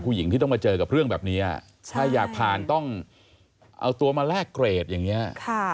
ผู้หญิงที่ต้องมาเจอกับเรื่องแบบนี้ถ้าอยากผ่านต้องเอาตัวมาแลกเกรดอย่างนี้